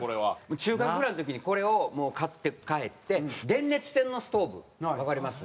中学ぐらいの時にこれを買って帰って電熱線のストーブわかります？